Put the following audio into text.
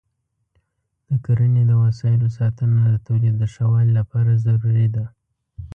د کرنې د وسایلو ساتنه د تولید د ښه والي لپاره ضروري ده.